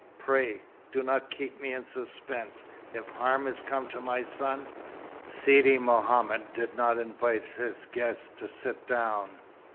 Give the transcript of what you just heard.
Pray, do not keep me in suspense, if harm has come to my son." Sidi Mohammed did not invite his guest to sit down.